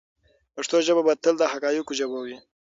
پښتو ژبه به تل د حقایقو ژبه وي.